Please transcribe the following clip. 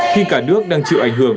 khi cả nước đang chịu ảnh hưởng